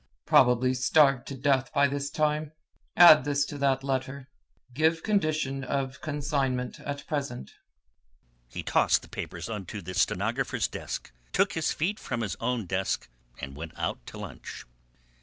"Probably starved to death by this time! Add this to that letter: 'Give condition of consignment at present.'" He tossed the papers on to the stenographer's desk, took his feet from his own desk and went out to lunch.